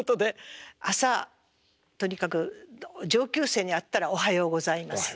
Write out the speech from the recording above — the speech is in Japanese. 朝とにかく上級生に会ったら「おはようございます」。